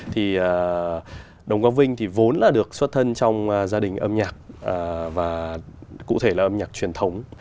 thì đồng quang vinh thì vốn là được xuất thân trong gia đình âm nhạc và cụ thể là âm nhạc truyền thống